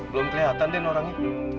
belum kelihatan den orangnya